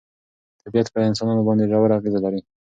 طبیعت په انسانانو باندې ژوره اغېزه لري.